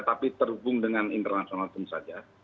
tapi terhubung dengan internasional tim saja